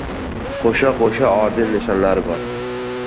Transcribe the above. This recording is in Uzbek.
Qo‘sha-qo‘sha orden-nishonlari bor!